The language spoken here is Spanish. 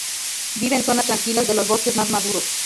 Vive en zonas tranquilas de los bosques más maduros.